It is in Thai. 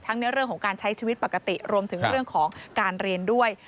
ในเรื่องของการใช้ชีวิตปกติรวมถึงเรื่องของการเรียนด้วย